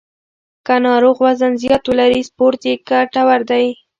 که ناروغ وزن زیات ولري، سپورت یې ګټور دی.